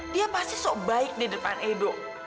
dia pasti sok baik di depan edo